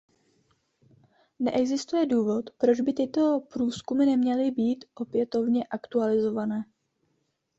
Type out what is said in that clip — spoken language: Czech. Neexistuje důvod, proč by tyto průzkumy neměly být opětovně aktualizované.